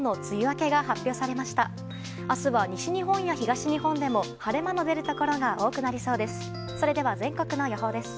明日は、西日本や東日本でも晴れ間の出るところが多くなりそうです。